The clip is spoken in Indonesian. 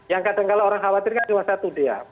yang kadang kadang orang khawatir kan cuma satu dia